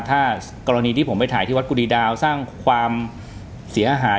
ถ้ากรณีที่ผมไปถ่ายที่วัดกุฎีดาวสร้างความเสียหาย